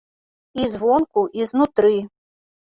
І звонку, і знутры.